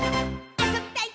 あそびたい！」